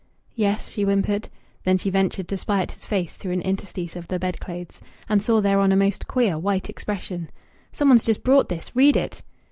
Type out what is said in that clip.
"Yes," she whimpered. Then she ventured to spy at his face through an interstice of the bedclothes, and saw thereon a most queer, white expression. "Some one's just brought this. Read it."